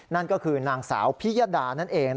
นั่นก็คือนางสาวพิยดานั่นเอง